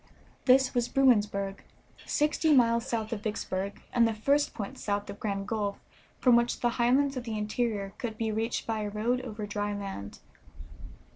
This was Bruinsburg, sixty miles south of Vicksburg, and the first point south of Grand Gulf from which the highlands of the interior could be reached by a road over dry land.